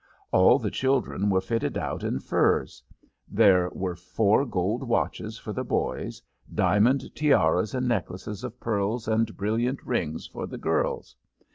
All the children were fitted out in furs; there were four gold watches for the boys, diamond tiaras and necklaces of pearls and brilliant rings for the girls.